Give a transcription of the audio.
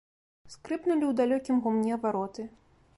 Скрыпнулі ў далёкім гумне вароты.